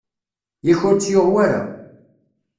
Yak ur tt-yuɣ wara?